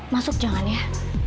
masuk jangan ya